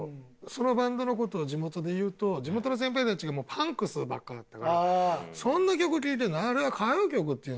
そのバンドの事を地元で言うと地元の先輩たちがパンクスばっかだったからそんな曲聴いてあれは歌謡曲っていうんだよ。